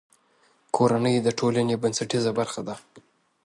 کورنۍ د ټولنې بنسټیزه برخه ده.